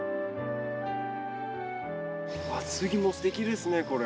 次もすてきですねこれ。